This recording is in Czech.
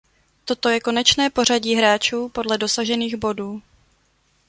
Toto je konečné pořadí hráčů podle dosažených bodů.